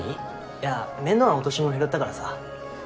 いや面倒な落とし物拾ったからさじゃあ。